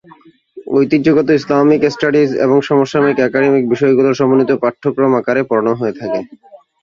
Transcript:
ঐতিহ্যগত Islamic studies এবং সমসাময়িক একাডেমিক বিষয়গুলিকে সমন্বিত পাঠ্যক্রম আকারে পড়ানো হয়ে থাকে।